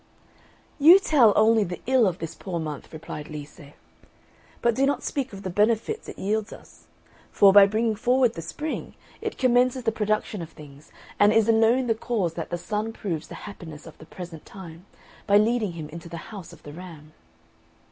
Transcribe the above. "You tell only the ill of this poor month," replied Lisa, "but do not speak of the benefits it yields us; for, by bringing forward the Spring, it commences the production of things, and is alone the cause that the Sun proves the happiness of the present time, by leading him into the house of the Ram."